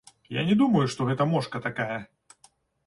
Я не думаю, што гэта мошка такая.